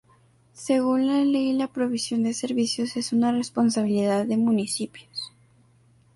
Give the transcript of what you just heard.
Según la ley la provisión de servicios es una responsabilidad de municipios.